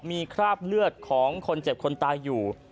มีคราบเลือดของคนเจ็บคนตายอยู่